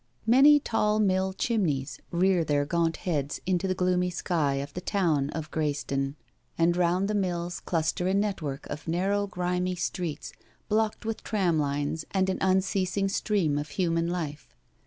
Many tall mill chimneys rear their gaunt heads into the gloomy sky of the town of Greyston, and round the mills cluster a network of narrow, grimy streets, blocked with tramlines and an unceasing stream of human life.